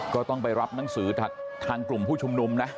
ก็ต้องไปรับหนังสือจากทางกลุ่มผู้ชุมนุมนะ